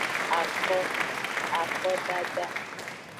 Ako, akodada.